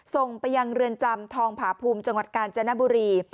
ส่งไปยังเรือนจำทองผาภูมิจังหวัดกาญจนบุรี